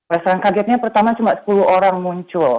restoran kagennya pertama cuma sepuluh orang muncul